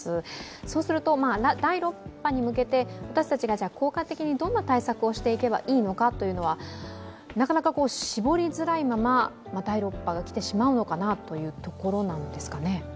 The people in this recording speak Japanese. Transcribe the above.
そうすると、第６波に向けて私たちが効果的にどんな対策をしていけばいいのかというのはなかなか絞りづらいまま、第６波が来てしまうのかなというところなんですかね。